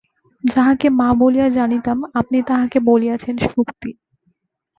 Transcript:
যাহাকে মা বলিয়া জানিতাম আপনি তাঁহাকে বলিয়াছেন শক্তি।